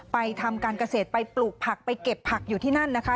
ทำการเกษตรไปปลูกผักไปเก็บผักอยู่ที่นั่นนะคะ